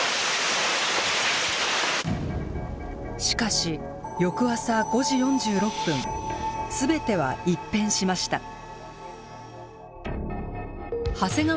しかし翌朝５時４６分全ては一変しました。